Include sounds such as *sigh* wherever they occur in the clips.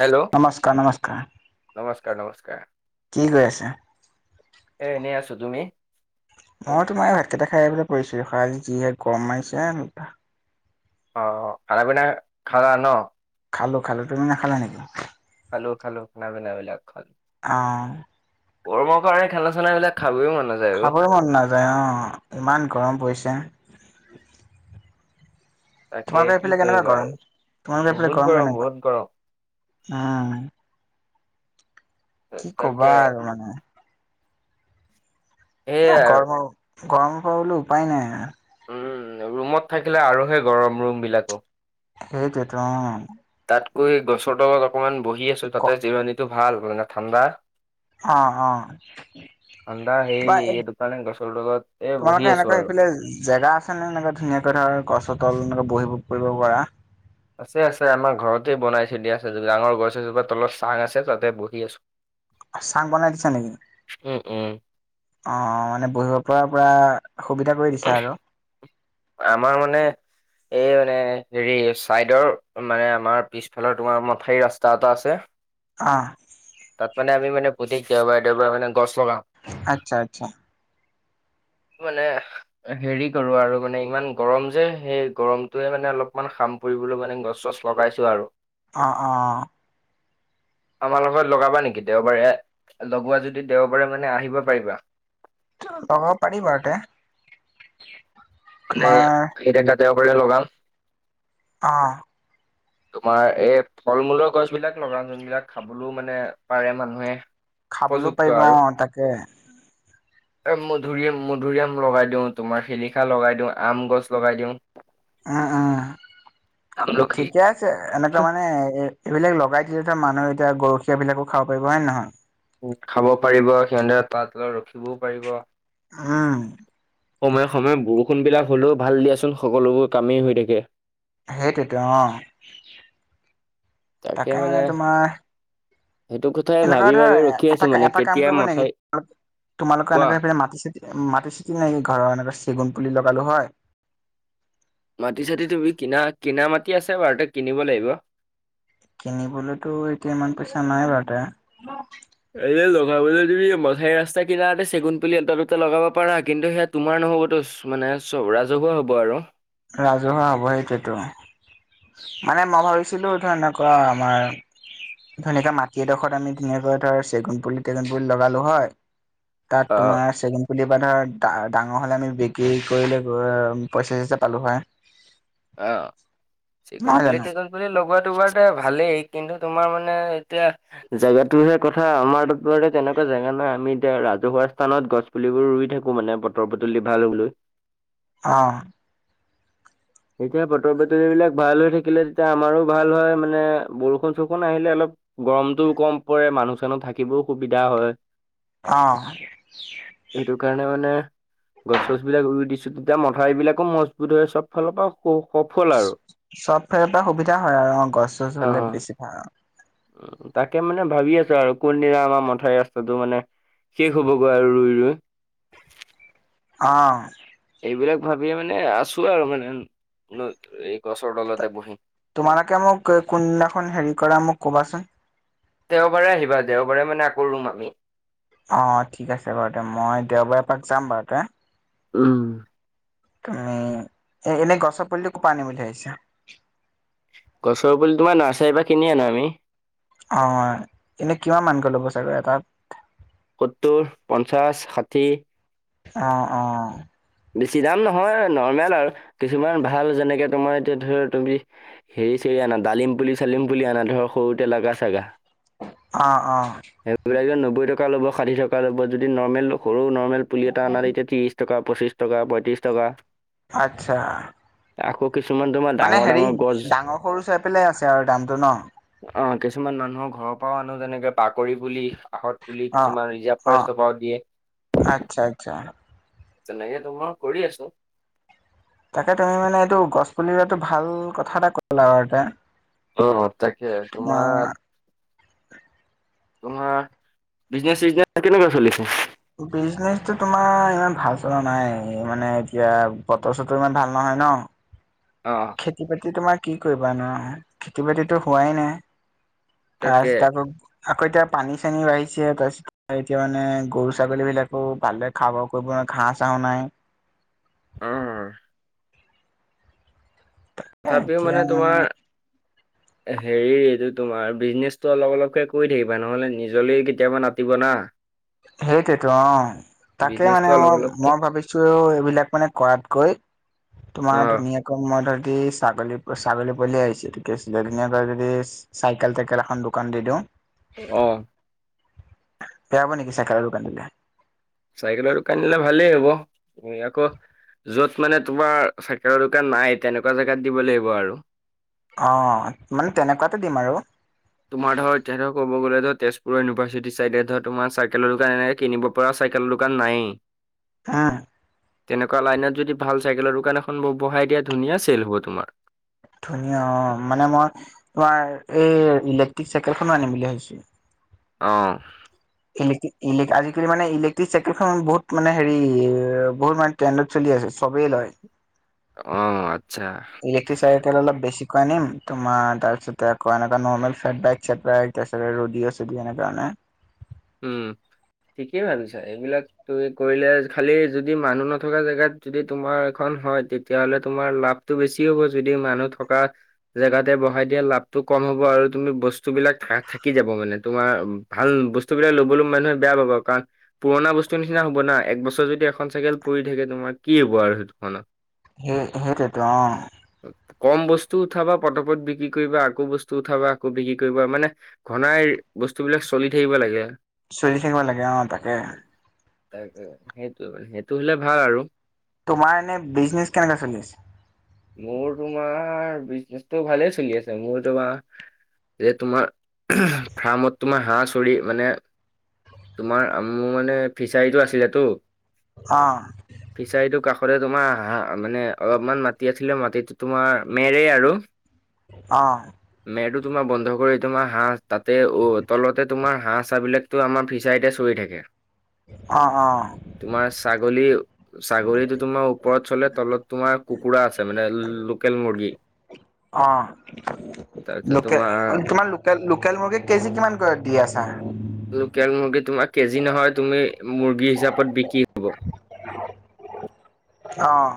Hello, নমস্কাৰ নমস্কাৰ নমস্কাৰ, নমস্কাৰ। কি কৰি আছে এ, এনেই আছো, তুমি? মই তোমাৰ এই ভাতকেইটা খাই আহি পেলাই পৰিছোঁ। এখান আজি যিহে গৰম, মাৰিছে অ অ খানা পিনা খালা ন? খালো খালো, তুমি নাখালা নেকি? খালো, খালো খানা পিন বিলাক খালোঁ অ গৰমৰ কাৰনে খানা-চানাবিলাক খাবও মন নেযায়। খাবই মন নাযায় অ, ইমান গৰম পৰিছে। তাকে তোমালোকৰ কি এইফালে কেনেকুৱা কৰিবা আৰু গৰম, তোমালোকৰ এইফালে বহুত গৰম কেনেকুৱা? বহুত গৰম উম। কি তাকে ক'বা আৰু মানে। এ সেইয়াই আৰু গৰমৰ গৰমৰ পৰা বোলোঁ উপায় নাই আ উম, ৰুমত থাকিলে আৰুহে গৰম ৰুমবিলাকো। সেইটোৱেতো অ তাতকৈ গছৰ তলত অকণমান বহি আছোঁ ক তাতে জিৰণিটো ভাল মানে ঠাণ্ডা। অ অ ঠাণ্ডা সেই কিবা এ এইটো কাৰণে গছৰ তলত এ বহি তোমালোকে আছো এনেকৈ আৰু সেইফালে জেগা ধুনীয়াকৈ ধৰ গছৰ তল এনকা বহিব কৰিব পাৰা আছে আছে আমাৰ ঘৰতে বনাইছে দি আছে ডাঙৰ গছ এজোপা তলত চাং আছে, তাতে বহি আছো। চাং বনাই দিছা নেকি? উম, উম, অ মানে বহিব পৰা পৰা সুবিধা কৰি দিছা আৰু আমাৰ মানে এই মানে হেৰি চাইদৰ মানে আমাৰ পিছফালৰ তোমাৰ মথাৰি ৰাস্তা এটা আছে। আহ তাতমানে আমিমানে গোটেই দেওবাৰে দেওবাৰে মানে গছ লগাও। আটচ্ছা আটচ্ছা মানে হেৰি কৰো আৰু মানে ইমান গৰম যে সেই গৰমটোৱে মানে অলপমান সাম পৰিবলৈ মানে গছ-চছ লগাইছো আৰু অ অ আমাৰ লগত লগাবা নেকি দেওবাৰে লগোৱা, যদি দেওবাৰে মানে আহিব পাৰিবা। লগাব পাৰিম আৰু তে *unintelligible* অ তোমাৰ এই ফল-মূলৰ গছবিলাক লগাম যোনবিলাক খাবলৈও মানে পাৰে মানুহে খাবলৈও উপযুক্ত পাৰিব অ আৰু। তাকে *inaudible* আৰু মধুৰিআম মধুৰিআম লগাই দিওঁ, তোমাৰ শিলিখা লগাই দিওঁ, আম গছ লগাই দিওঁ। উম উম আমলখি ঠিকে আছে এনেকুৱা মানে এই এইবিলাক লগাই থলেতো মানুহে এতিয়া গৰখীয়া বিলাকো খাব পাৰিব হয় নে নহয়? খাব পাৰিব, সিহঁতে তাৰ তলত ৰখিবও পাৰিব। উম সময়ে সময়ে বৰষুণ বিলাক হলেও ভাল দিয়াচোন, সকলোবোৰ কামেই হৈ থাকে। সেইটোৱেটো অ তাকে মানে তোমাৰ সেইটো কথাই এনেকুৱা ভাবি ভাবি ধৰ ৰখি আছো এটা মানে এটা কাম কেতিয়া কৰিব নেকি? মথাই তোমালোকত কোৱা এনেকুৱাকৈ মাটি ছাতি মাটি ছাতি নাইনি ঘৰৰ এনে চেগুন পুলি লগালো হয়। মাটি চাটি তুমি কিনা কিনা মাটি আছে বাৰু তই কিনিব লাগিব। কিনিবলৈতো এতিয়া ইমান পইচা নাই বাৰু তা এ লগাবলৈ তুমি মঠাই ৰাস্তা কিনাতে চেগুন পুলি এটা দুটা লগাব পাৰা কিন্তু সেয়াত। তোমাৰ নহ'বতো মানে চব ৰাজহুৱা হ'ব আৰু। ৰাজহুৱা হ'ব সেইটোতোৱেটো। মানে মই ভাবিছিলোঁ ধৰ এনেকুৱা আমাৰ। ধুনীয়াকে মাটি এডোখৰত আমি ধুনীয়াকৈ ধৰ চেগুন পুলি টেণ্ডন পুলি লগালো হয়। তাত অ তোমাৰ চেগুন। পুলিবা ধৰ দা-ডাঙৰ হ'লে আমি বিক্ৰী কৰিলে পইচা চয়ছা পালোঁ হয়। অ চেগুন নহয় পুলি জানো টেণ্ডন। পুলি লগোৱাটো ভালেই কিন্তু তোমাৰ মানে এতিয়া। জেগাতোহে কথা আমাৰ ত তেনেকুৱা জেগা নহয় আমি এতিয়া ৰাজহুৱা স্থানত গছ। পুলিবোৰ ৰুই থাকো মানে পতৰ পটলি ভাল হ'লৈ। অ। এতিয়া বতৰ বতৰিবিলাক ভাল হৈ থাকিলে তেতিয়া আমাৰো ভাল হয় মানে বৰষুণ চৰষুণ আহিলে অলপ। গৰমতটোও কম পৰে মানুহ চানুহ থাকিবও সুবিধা হয়। অ। সেইটো কাৰণে মানে গছ চচ বিলাক ৰুই দিছো। এতিয়া মথাবিলাকো মজবুত হয় চব ফালৰ পৰা স সফল আৰু। চব ফালৰ পৰা সুবিধা হয় আৰু অ গছ চছ হ'লে বেছি ভাল। উম তাকে মানে ভাবি আছো আৰু কোনদিনা আমাৰ মথাই ৰাস্তাটো মানে। শেষ হ'বগৈ আৰু ৰুই ৰুই। অঁ। এইবিলাক ভাবিয়ে মানে আছো আৰু মানে এই গছৰ তলতে বহি। তোমালোকে মোক কোনদিনাখন হেৰি কৰা মোক ক'বাচোন। দেওবাৰে আহিবা দেওবাৰে মানে আকৌ ৰুম আমি। অ ঠিক আছে বাৰু দে মই দেওবাৰে এপাক যাম বাৰু তে। উম। ত উম এ এনেই গছৰ পুলিটো কৰ পৰা আনিম বুলি ভাবিছা। গছৰ পুলিটো নাৰ্চাৰীৰ পৰা কিনি আনো আমি। অ এনেই কিমান মানকৈ ল'ব চাগৈ এটাত। সত্তৰ পঞ্চাছ ষাঠি। অ অ। বেছি দাম নহয় নৰ্মেল আৰু কিছুমান ভাল যেনেকে তোমাৰ এতিয়া ধৰা তুমি। হেৰি চেৰি আনা ডালিম পুলি চালিম পুলি আনা ধৰ সৰুতে লাগা চাগা। অ অ। সেইবিলাকে নব্বৈ টকা ল'ব ষাঠি টকা ল'ব যদি নৰ্মেলটো সৰু ন। নৰ্মেল পুলি এটা অনা তেতিয়া ত্ৰিশ টকা পঁচিছ টকা পঁয়ত্ৰিশ টকা। আচ্ছা। আকৌ। কিছুমান তোমাৰ। মানে ডাঙৰ হেৰি ডাঙৰ গছ ডাঙৰ সৰু চাই পেলাই আছে আৰু দামটো ন। অ কিছুমান মানুহৰ ঘৰৰ পৰাও আনো তেনেকে পাকৰি পুলি। আহত পুলি অ'। কিছুমান ৰিজাৰ্ভ অ', ফৰেষ্টৰ পৰাও দিয়ে। আচ্ছা আচ্ছা। তেনেকে তোমাৰ কৰি আছোঁ। তাকে তুমি মানে এইটো গছ পুলি ৰোৱাটো ভাল কথা এটা ক'লা আৰু এটা। অ অ তাকে তোমাৰ তোমাৰ বিজনেচ চিজনেচ কেনেকুৱা চলিছে? বিজনেচটো তোমাৰ ইমান ভাল চলা নাই, মানে এতিয়া বতৰ চতৰ ইমান ভাল নহয় ন। অঁহ খেতি বাতি তোমাৰ কি কৰিবা নো খেতি বাতিতো হোৱাই নাই। তাকে তাৰপিছত আকৌ, আকৌ এতিয়া পানী চানিও বাঢ়িছে তাৰপিছত এতিয়া মানে গৰু ছাগলী বিলাকো ভালে খাব কৰিব ঘাঁহ চাহো নাই উম এ তথাপিও এতিয়া মানে তোমাৰ হেৰি এইটো তোমাৰ বিজনেচটো অলপ অলপকে কৰি থাকিবা নহ'লে নিজলৈ কেতিয়াবা না টিব না। সেইটোৱেতো অঁ। তাকে মানে বিজনেচটো অলপ মই অলপকে মই ভাবিছো এইবিলাক মানে কৰাতকৈ অ তোমাৰ ধুনীয়াকে মোৰ মতে যদি ছাগ ছাগলী পোৱালিহে আহিছে এইটো কি আছিলে ধুনীয়াকৈ যদি চাইকেল টাইকেল এখন দোকান দি দিওঁ অ বেয়া হব নেকি চাইকেলৰ দোকান দিলে? চাইকেলৰ দোকান দিলে ভালেই হব তুমি আকৌ যত মানে তোমাৰ চাইকেলৰ দোকান নাই তেনেকুৱা জেগাত দিব লাগিব আৰু। অ মানে তেনেকুৱাতে দিম আৰু। তোমাৰ ধৰ এতিয়া ধৰ কব গ'লে ধৰ তেজপুৰ ইউভাৰ্চিটি চাইডে ধৰ তোমাৰ চাইকেলৰ দোকান এনেকে কিনিব পৰা চাইকেলৰ দোকান নায়েই। অ তেনেকুৱা লাইনত যদি ভাল চাইকেলৰ দোকান এখন ব বহাই দিয়া ধুনীয়া চেল হ'ব তোমাৰ। ধুনীয়া অঁ, মানে মই তোমাৰ এই ইলেক্ট্ৰিক চাইকেলখনো আনিম বুলি ভাবিছো। অঁ। ইলেক ইলেক আজিকালি মানে ইলেক্ট্ৰিক চকেলখন বহু মানে হেৰি বহুত মা ট্ৰেণ্ডত চলি আছে চবেই লয়। অ', আচ্ছা। ইলেক্ট্ৰিক চাইকেল অলপ বেছি কৈ আনিম, তোমাৰ তাৰপিছত আকৌ আন এটা নৰ্মেল *unintelligible* তাৰপিছত ৰদীয় ছদিয় এনেকা মানে উম, ঠিকেই ভাবিছা এইবিলাক তুমি কৰিলে খালি যদি মানুহ নথকা জেগাত যদি তোমাৰ এখন হয়, তেতিয়াহ'লে তোমাৰ লাভ টো বেছি হ'ব যদি মানুহ থকা জেগাতে বঢ়াই দিয়া লাভটো কম হ'ব, আৰু তুমি বস্তু বিলাক থা থাকি যাব মানে তোমাৰ ভাল ব স্তুবিলাক ল'বলৈ মানুহে বেয়া পাব কাৰণ। পুৰণা বস্তুৰ নিচিনা হ'ব না, একবছৰ যদি এখন চাইকেল পৰি থাকে তোমাৰ কি হ'ব আৰু সেইদুখনৰ। হেই, হেইটোৱেটো অঁ। কম বস্তু উঠাবা, পতাপত বিক্ৰী কৰিবা, আকৌ বস্তু উঠাবা আকৌ বিক্ৰী কৰিব মানে ঘনাই বস্তুবিলাক চলি থাকিব লাগে। চলি থাকিব লাগে অ' তাকে। তাকে সেইটো, সেইটো হ'লে ভাল আৰু। তোমাৰ এনে বিজনেচ কেনেকোৱা চলি আছে? মোৰ তোমাৰ বিজনেচটো ভালেই চলি আছে, মোৰ তোমাৰ এ' তোমাৰ ফাৰ্মত তোমাৰ হাঁহ চৰি মানে তোমাৰ, মোৰ মানে ফিচাৰীটো আছিলেতো। অ'। ফিচাৰীটোৰ কাষৰে তোমাৰ হাঁ, মানে অলপমান মা ছিলে মাটিটো তোমাৰ মেৰে আৰু। অ'। মেৰটো তোমাৰ বন্ধ কৰি তোমাৰ হাঁহ তাতে অ' তলতে তোমাৰ হাঁ *unintelligible* আমাৰ ফিচাৰীতে চৰি থাকে। অঁ' অঁ'। তোমাৰ ছাগলীও, ছাগলীতো তোমাৰ ওপৰত চলে তলত তোমাৰ কু কুকুৰা আছে মানে লোকেল মুৰ্গী। অ', লোকে তোমাৰ লো লোকেল, লোকেল মুৰ্গী কেজি কিমানকৈ দি আছা? লোকেল মুৰ্গী তোমাৰ কেজি নহয়। তুমি মুৰ্গী হিচাপত বিক্ৰী। হ'ব অঁ'।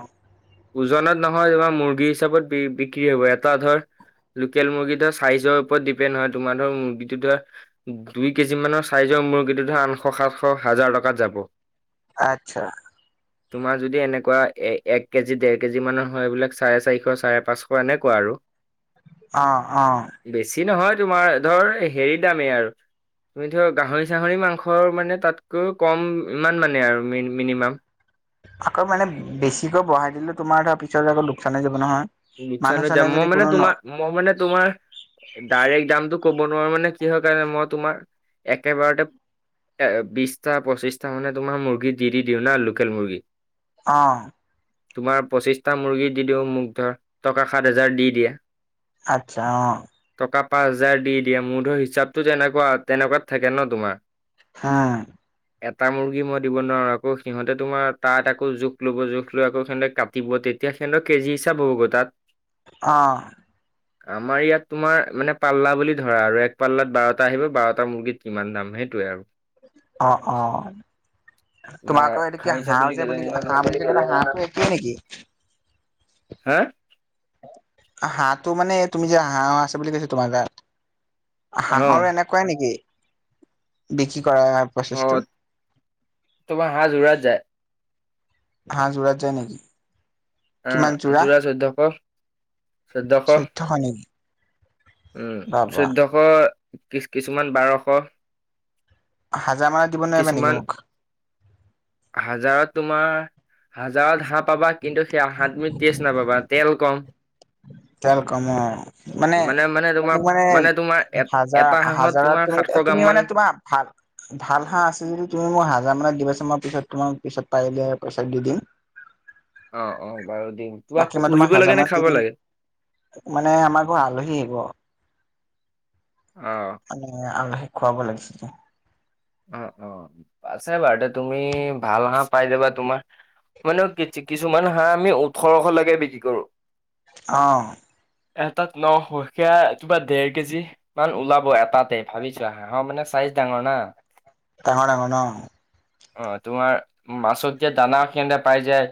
ওজনত নহয়, তোমাৰ মুৰ্গী হিচাপত বিক্ৰী হ'ব। এটা ধৰ লোকেল মুৰ্গী ধৰ চাইজৰ ওপৰত ডিপেণ্ড আৰু তোমাৰ ধৰ মুৰ্গীটো ধৰা দুই কেজি মানৰ চাইজৰ মুৰ্গীটো ধৰা আঠশ, সাতশ, হাজাৰ টকাত যাব। আচ্ছা। তোমাৰ যদি এনেকুৱা এ- এক কেজি ডেৰ কেজি মানৰ হয় এইবিলাক চাৰে চাৰিশ, চাৰে পাঁচশ, এনেকুৱা আৰু। অহ'-অহ'। বেছি নহয় তোমাৰ ধৰ হেৰিৰ দামেই আৰু। তুমি ধৰ গাহৰি- চাহৰি মাংসৰ মানে তাতকৈ কম ইমান মানে আৰু মিনিমাম। আকৌ মানে বেছিকৈ বঢ়াই দিলেও তোমাৰ ধৰা পিছৰ আকৌ লোকচান হৈ যাব নহয়। লোকচান মানুহ হৈ যায়, চানুহে মই যদি মানে কোনো ন তোমাৰ, মই মানে তোমাৰ ডাইৰেক্ট দামটো ক'ব নোৱাৰো মানে কিহৰ কাৰণে মই তোমাৰ একেবাৰতে এ' বিশটা, পঁচিশটা মানে তোমাৰ মুৰ্গী দি দি দিও না লোকেল মুৰ্গী। অ'। তোমাৰ পঁচিশটা মুৰ্গী দি দিওঁ, মোক ধৰ টকা সাত হাজাৰ দি দিয়ে। আচ্ছা' অঁ'। টকা পাঁচ হাজাৰ দি দিয়ে। মোৰ ধৰ হিচাপতো তেনেকুৱা, তেনেকুৱাত থাকে ন' তোমাৰ। হা। এটা মুৰ্গী মই দিব নোৱাৰো আকৌ সিহঁতে তোমাৰ তাত আকৌ জোখ ল'ব, জোখ লৈ আকৌ সিহঁতে কা টিব তেতিয়া সিহঁতৰ কেজি হিচাপ হ'বগৈ তাত। অহ'। আমাৰ ইয়াত তোমাৰ মানে পাল্লা বুলি ধৰা আৰু এক পাল্লাত বাৰটা আহিব বাৰটা মুৰ্গীত কিমান দাম সেইটোৱে আৰু। অহ'-অহ'। তোমাৰ আকৌ এইটো কিয় খাহী ছাগলী হাঁহ যে বুলি কেইজনীমান হাঁহ বুলি হাঁহ একেই নেকি? হে? হাঁহটো মানে তুমি যে হাঁহ আছে বুলি কৈছো তোমাৰ তাত, অ হাঁহৰো এনে কুৱাই নেকি বিক্ৰি কৰা অ প্ৰচেছটো, তোমাৰ হাঁহ যোৰাত যায় হাঁহ যোৰাত যায় নেকি? কিমান যোৰা যুৰা চৈধ্যশ। চৈধ্যশ হয় নেকি। উমঁ' বা বা চৈধ্যশ কি কিছুমান বাৰশ। হাজাৰ মান কিছুমান হাজাৰত তোমাৰ, হাজাৰত হাঁহ পাবা কিন্তু সেয়া হাঁহ তুমি টষ্ট নাপাবা, তেল কম। তেল কম অ' মানে মানে তোমাৰ মোক মানে তোমাৰ এ হাজাৰ, এটা হাঁহত হাজাৰত তোমাৰ তাৰ সাতশ অ' গ্ৰাম তুমি মান মানে তোমাৰ ভাত ভাল হাঁহ আছে যদি তুমি মোক, হাজাৰ মানত দিবা চোন মই পিছত তোমাক পিছত পাৰিলে পইচাটো দি দিম। অ', অ' বাৰু দিম তোমাক বাকী মই পুহিব হাজাৰ লাগে নে মান দি খাব দিম লাগে? মানে আমাৰ ঘৰত আলহী আহিব। অহ'। মানে আলহীক খুৱাব লাগিছিল। অ', অ' আছে বাৰুতে তুমি ভাল হাঁহ পাই যাবা, তোমাৰ মানে কি-কিছুমান হাঁহ আমি ওঠৰশলৈকে বিক্ৰী কৰো। অহ'। এটাত নশ সেইয়া কিবা ডেৰ কেজি। ইমান ওলাব এটাতে ভাবি চোৱা, হাঁহৰ মানে চাইজ ডাঙৰ নাহ। ডাঙৰ, ডাঙৰ ন'। অ' তোমাৰ মাছত দিয়া দানা সিহঁতে পাই যায়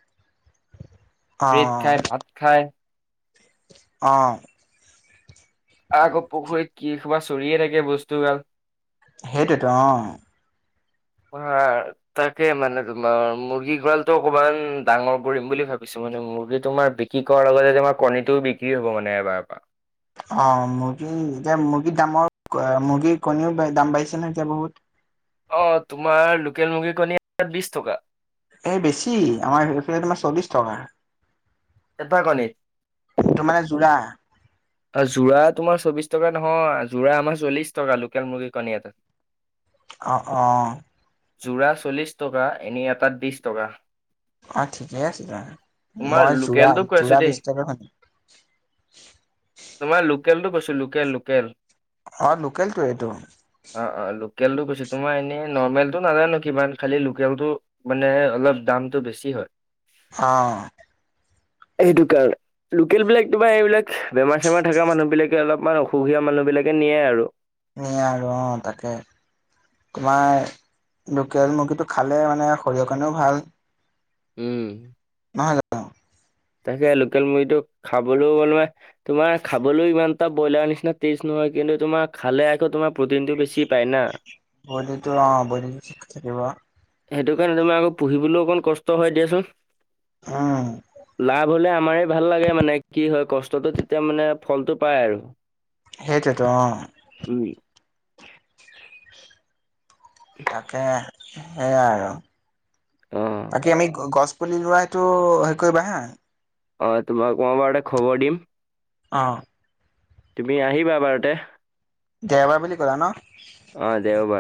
*unintelligible* ব্ৰেড খাই, ভাত খায়। অহ'। আকৌ পুখুৰীত কি কোবা চৰিয়ে থাকে বস্তুগাল। সেইটোৱেটো অহ'। *inaudible* তাকে মানে তোমাৰ, মুৰ্গী গড়ালটো অকমান ডাঙৰ কৰিম বুলি ভাবিছো মানে মুৰ্গী তোমাৰ বি বিক্ৰী কৰাৰ লগতে তোমাৰ কণীটোও বিক্ৰী হ'ব মানে এবাৰ পৰা। অ' মুৰ্গী এতিয়া মুৰ্গীৰ দামৰ *inaudible* মুৰ্গীৰ কণীও দাম বাঢ়িছে নহয়, এতিয়া বহুত। অ' তোমাৰ লোকেল মুৰ্গী কণী এটা বিশ টকা। এই বেছি আমাৰ সেইফালে তোমাৰ চল্লিশ টকা। এটা কণীত। তোমাৰ যোৰা। যোৰা তোমাৰ চৌবিশ টকা নহয়, যোৰা আমাৰ চল্লিশ টকা লোকেল মুৰ্গীৰ কণী এটাত। অ', অহ'। যোৰা চল্লিছ টকা, এনে এটাত বিশছ টকা। অ' ঠিকেই আছে দিয়া, তোমাৰ মই যোৰা লোকেলটো কৈ আছো যোৰা দেই বিছ টকা সুনি তোমাৰ লোকেলটো কৈছো লোকেল, লোকেল। অ' লোকেলটোৱেতো। অ', অ' লোকেলটো কৈছো, তোমাৰ এনেই নৰ্মেল টো নাজানো কিমান, খালি লোকেলটো মানে অলপ দামটো বেছি হয়। অহ'। এই দুটাৰ। লোকেল বিলাক তোমাৰ এইবিলাক, বেমাৰ-চেমাৰ থকা মানুহ বিলাকে অলপমান অসুখীয়া মানুহ বিলাকে নিয়ে আৰু। নিয়ে আৰু অ', তাকে। তোমাৰ লোকেল মুৰ্গীটো খালে মানে শৰীৰৰ কাৰণেও ভাল। উম। নহয় জানো। তাকে লোকেল মুৰ্গীটো খাবলৈও *unintelligible* তোমাৰ খাবলৈও ইমান এটা ব্ৰইলাৰ নিচিনা টেষ্ট নহয়, কিন্তু তোমাৰ খালে আকৌ তোমাৰ প্ৰ'টিনটো বেছি পায় না। ব'ডিটো অ ব'ডিটো ঠিক থাকিব। সেইটো কাৰণে তোমাৰ আকৌ পুহিবলৈও অকণ কষ্ট হয় দিয়াচোন। উম লাভ হ'লে আমাৰে ভাল লাগে মানে কি হয় কষ্টটো তে তেতিয়া মানে ফলটো পায় আৰু। সেইটোৱেইটো অ। উম। তাকে হে আৰু। অ' বাকী আমি গ গছ পুলি ৰোৱা হেটো হসেই কৰিবা হা অ তোমাক মই বাৰু তে খবৰ দিম। অঁ। তুমি আহিবা বাৰতে। দেওবাৰ বুলি ক'লা ন? অ দেওবাৰ।